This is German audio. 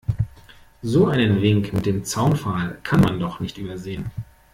So einen Wink mit dem Zaunpfahl kann man doch nicht übersehen.